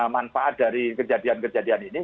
manfaat dari kejadian kejadian ini